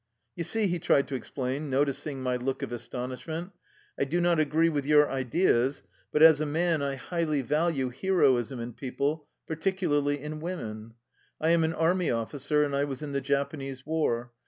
"You see," he tried to explain, noticing my look of astonishment, " I do not agree with your ideas, but as a man I highly value heroism in people, particularly in women. I am an army officer, and I was in the Japanese War.